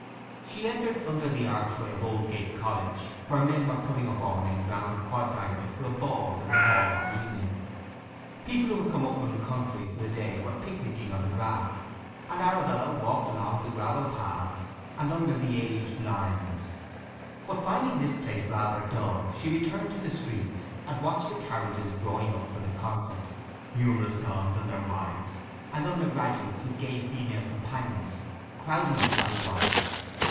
She entered under the archway of Oldgate College, where men were putting up awnings round the quadrangle for a ball in the hall that evening. People who had come up from the country for the day were picnicking on the grass, and Arabella walked along the gravel paths and under the aged limes. But finding this place rather dull she returned to the streets, and watched the carriages drawing up for the concert, numerous Dons and their wives, and undergraduates with gay female companions, crowding up likewise.